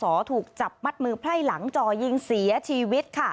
ก็ถูกจับมัดมือไฟหลังจอยิงเสียชีวิต